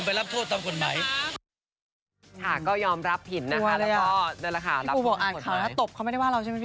พี่ปูก็อ่านข่าวแล้วตบคือไม่ได้ว่าเราใช่ไหม